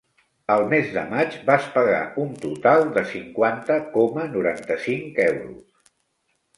El mes de maig vas pagar un total de cinquanta coma noranta-cinc euros.